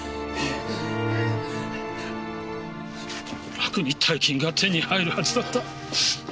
楽に大金が手に入るはずだった。